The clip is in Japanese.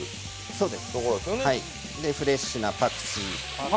そして、フレッシュなパクチー。